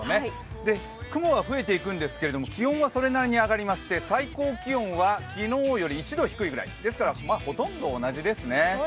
雲が増えていくんですけど、気温はそれなりに上がりまして最高気温は昨日より１度低いぐらいですから、ほとんど同じですね。